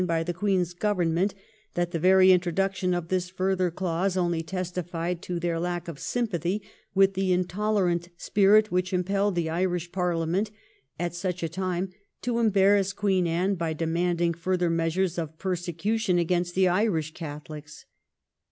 203 by tlie Queen's Government, that the very introduc tion of this further clause only testified to their lack of sympathy with the intolerant spirit which impelled the Irish Parliament, at such a time, to embarrass Queen Anne by demanding further measures of persecution against the Irish Catholics.